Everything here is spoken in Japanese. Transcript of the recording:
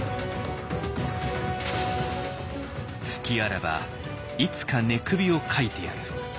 「隙あらばいつか寝首をかいてやる」。